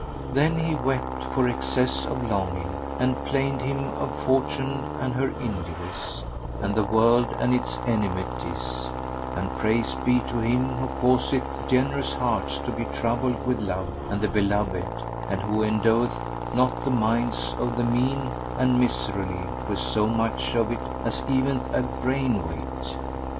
Then he wept for excess of longing, and plained him of Fortune and her injuries, and the world and its enmities (and praise be to Him who causeth generous hearts to be troubled with love and the beloved, and who endoweth not the minds of the mean and miserly with so much of it as eveneth a grain weight!).